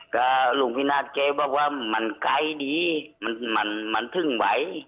ก็ลุงพินาศแกบอกว่ามันไกลดีมันมันถึงไหว